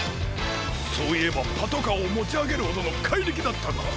そういえばパトカーをもちあげるほどのかいりきだったな。